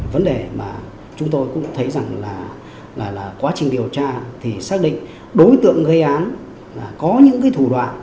vì vậy đối tượng gây án có những thủ đoạn